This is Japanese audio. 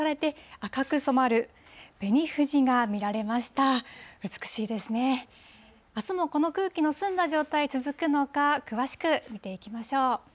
あすもこの空気の澄んだ状態、続くのか、詳しく見ていきましょう。